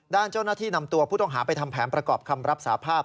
ด้านเจ้าหน้าที่นำตัวผู้ต้องหาไปทำแผนประกอบคำรับสาภาพ